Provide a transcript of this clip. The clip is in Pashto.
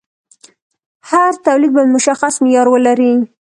هر تولید باید مشخص معیار ولري.